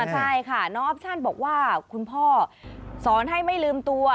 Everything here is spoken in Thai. ใช่ค่ะน้องออปชั่นบอกว่าคุณพ่อสอนให้ไม่ลืมตัว